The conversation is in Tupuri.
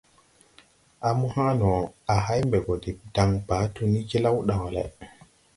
A mo haʼ no, à hay mbɛ gɔ de daŋ Patu ni jlaw ɗawa lay! ».